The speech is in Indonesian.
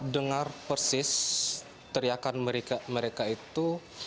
dengar persis teriakan mereka itu